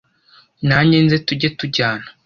nanjye nze tujye tujyana